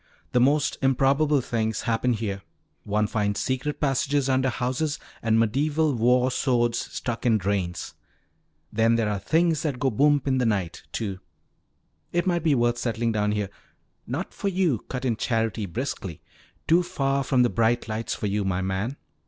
"The most improbable things happen here. One finds secret passages under houses and medieval war swords stuck in drains. Then there are 'things that go boomp in the night,' too. It might be worth settling down here " "Not for you," cut in Charity briskly. "Too far from the bright lights for you, my man."